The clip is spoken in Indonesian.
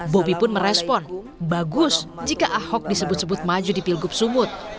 bobi pun merespon bagus jika ahok disebut sebut maju di pilgub sumut